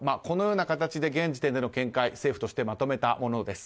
このような形で現時点での見解を政府としてまとめました。